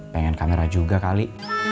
pengen kamera juga kali